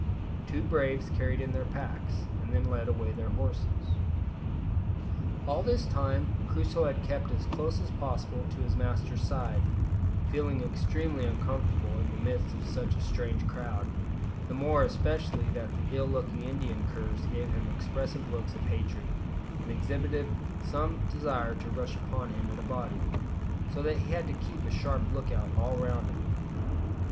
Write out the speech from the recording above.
Two braves carried in their packs, and then led away their horses. All this time Crusoe had kept as close as possible to his master's side, feeling extremely uncomfortable in the midst of such a strange crowd, the more especially that the ill looking Indian curs gave him expressive looks of hatred, and exhibited some desire to rush upon him in a body, so that he had to keep a sharp look out all round him.